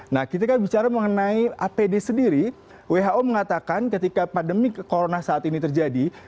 nah ketika bicara mengenai apd sendiri who mengatakan ketika pandemi kekonsumsi